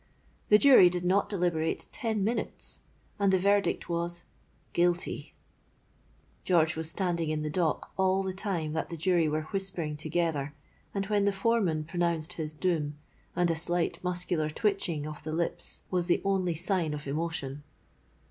The Jury did not deliberate ten minutes; and the verdict was Guilty! George was standing in the dock all the time that the Jury were whispering together and when the foreman pronounced his doom; and a slight muscular twitching of the lips was the only sign of emotion.